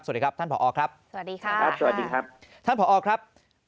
สวัสดีครับท่านผอครับ